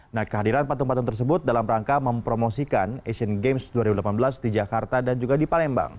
nah kehadiran patung patung tersebut dalam rangka mempromosikan asian games dua ribu delapan belas di jakarta dan juga di palembang